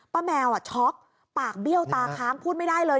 แมวช็อกปากเบี้ยวตาค้างพูดไม่ได้เลย